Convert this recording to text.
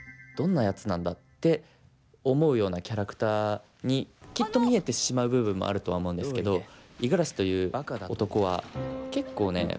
どんなやつなんだ」って思うようなキャラクターにきっと見えてしまう部分もあるとは思うんですけど五十嵐という男は結構ね